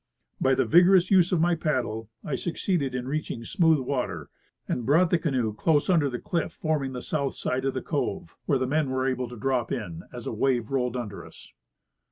By the vigorous use of my paddle I suc ceeded in reaching smooth water and brought the canoe close under the cliff forming the southern side of the cove, where the men were able to drop in as a wave rolled under us.